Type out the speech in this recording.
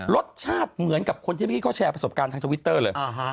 รสชาติเหมือนกับคนที่เมื่อกี้เขาแชร์ประสบการณ์ทางทวิตเตอร์เลย